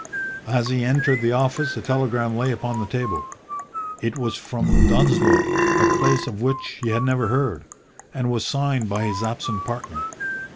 As he entered the office a telegram lay upon the table. It was from Dunsloe, a place of which he had never heard, and was signed by his absent partner.